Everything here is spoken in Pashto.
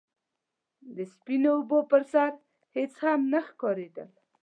د سپينو اوبو پر سر هيڅ هم نه ښکارېدل.